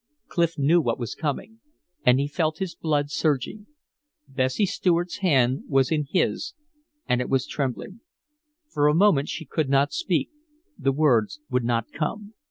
Clif knew what was coming, and he felt his blood surging. Bessie Stuart's hand was in his and it was trembling. For a moment she could not speak; the words would not come.